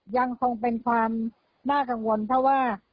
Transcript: ยังคงเป็นความน่ากังวลเพราะว่า